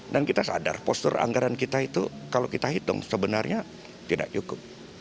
dan kita sadar postur anggaran kita itu kalau kita hitung sebenarnya tidak cukup